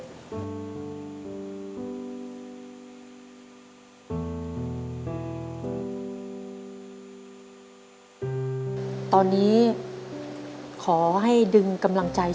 แบบช่วยดูเสลจคือทำทุกอย่างที่ให้น้องอยู่กับแม่ได้นานที่สุด